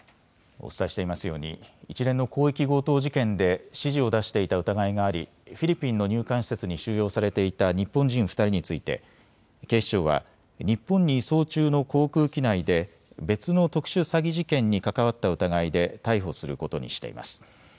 お伝えしていますように一連の広域強盗事件で指示を出していた疑いがありフィリピンの入管施設に収容されていた日本人２人について警視庁は日本に移送中の航空機内で別の特殊詐欺事件に関わった疑いで逮捕することにしています。